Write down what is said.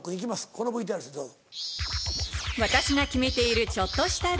このＶＴＲですどうぞ。